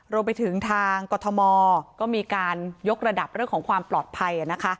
รวมไปถึงทางกรทมก็มีการยกระดับเรื่องของความปลอดภัย